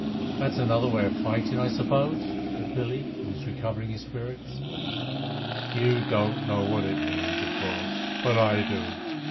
"That's another way of fighting, I suppose?" said Billy, who was recovering his spirits. "You don't know what that means, of course, but I do.